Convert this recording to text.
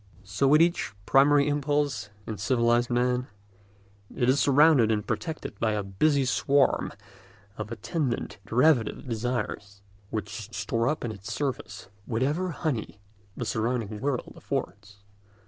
So with each primary impulse in civilised man: it is surrounded and protected by a busy swarm of attendant derivative desires, which store up in its service whatever honey the surrounding world affords.